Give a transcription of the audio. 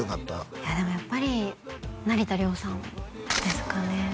いやでもやっぱり成田凌さんですかね